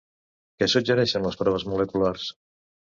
Què suggereixen les proves moleculars?